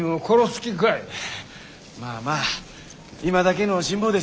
まあまあ今だけの辛抱ですき。